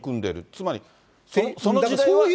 つまりその時代は。